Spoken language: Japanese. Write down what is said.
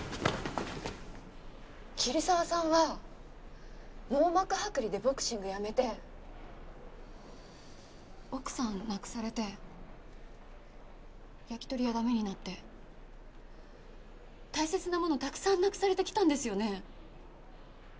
桐沢さんは網膜剥離でボクシングやめて奥さん亡くされて焼き鳥屋駄目になって大切なものをたくさんなくされてきたんですよね？